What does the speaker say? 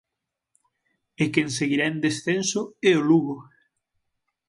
E quen seguirá en descenso é o Lugo.